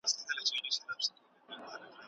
کابینه قونسلي خدمات نه ځنډوي.